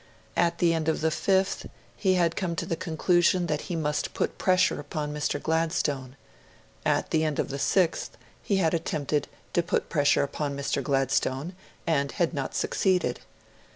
At the end of the fifth, he had come to the conclusion that he must put pressure upon Mr. Gladstone. At the end of the sixth, he had attempted to put pressure upon Mr. Gladstone, and had not succeeded.